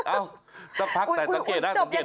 อ้าวสักพักแต่สังเกตน่าจบอย่างไรน่ะ